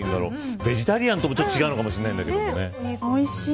ベジタリアンとも、ちょっと違うかもしれないけどね。